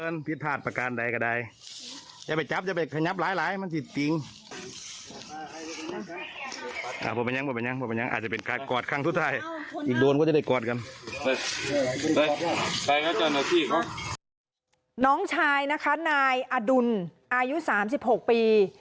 น้องชายนะคะนายอดุลอายุ๓๖ปี